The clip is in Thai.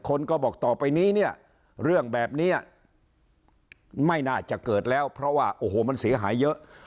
คนก็บอกต่อไปนี้เนี่ยเรื่องแบบนี้ไม่น่าจะเกิดแล้วเพราะว่าโอ้โหมันเสียหายเยอะ